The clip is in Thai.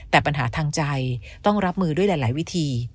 แต่ปัญหาทางใจต้องรับมือด้วยหลายวิธี